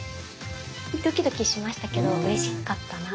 ドキドキしましたけどうれしかったな。